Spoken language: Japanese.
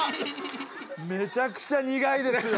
めちゃくちゃ苦いですよ。